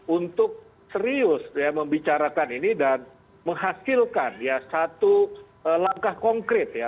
untuk serius ya membicarakan ini dan menghasilkan ya satu langkah konkret ya